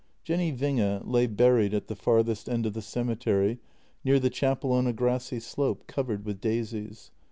Jenny Winge lay buried at the farthest end of the cemetery near the chapel on a grassy slope, covered with daisies.